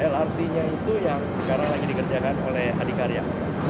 lrt nya itu yang sekarang lagi dikerjakan oleh adikarya